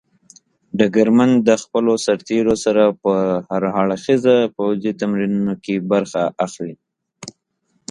ډګرمن د خپلو سرتېرو سره په هر اړخيزو پوځي تمرینونو کې برخه اخلي.